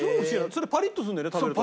それでパリッとするんだよね食べると。